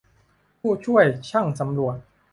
ผู้ช่วยช่างสำรวจ